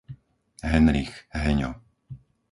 Henrich, Heňo